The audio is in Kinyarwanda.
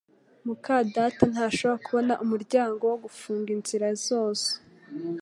muka data ntashobora kubona umuryango wo gufunga inzira zose